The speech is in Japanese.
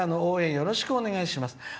よろしくお願いします。